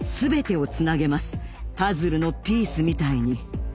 パズルのピースみたいに。